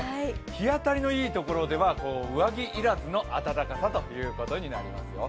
日当たりのいいところでは上着いらずの暖かさということになりますよ。